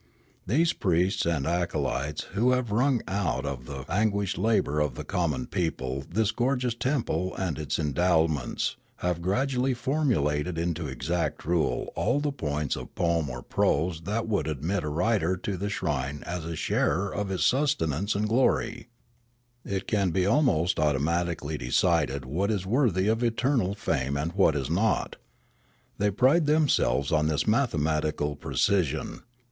These priests and acolytes, who have wrung out of the anguished labour of the common people this gorgeous temple and its endowments, have gradually formulated into exact rule all the points of poem or prose that would admit a writer to the shrine as a sharer in its sustenance and glor5^ It can be al most automatically decided what is worthy of eternal fame and what is not. They pride themselves on this mathematical precision.